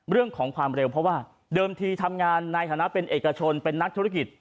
เรื่องของความเร็วเพราะว่าเดิมทีทำงานในฐานะเป็นเอกชนเป็นนักธุรกิจ